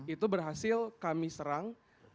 itu berhasil kami serang